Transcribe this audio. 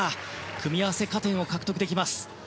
組み合わせ加点を獲得できます。